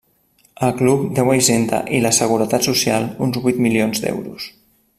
El club deu a Hisenda i la Seguretat Social uns vuit milions d'euros.